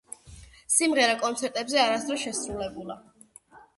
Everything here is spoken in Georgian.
სიმღერა კონცერტებზე არასოდეს შესრულებულა.